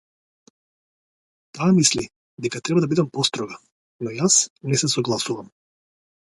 Таа мисли дека треба да бидам построга, но јас не се согласувам.